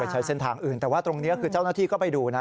ใช้เส้นทางอื่นแต่ว่าตรงนี้คือเจ้าหน้าที่ก็ไปดูนะ